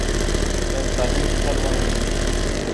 په سالنګ کې تل واوره وي.